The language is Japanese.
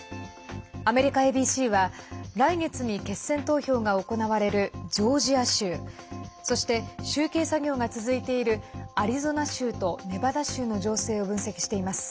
アメリカＡＢＣは来月に決選投票が行われるジョージア州そして集計作業が続いているアリゾナ州とネバダ州の情勢を分析しています。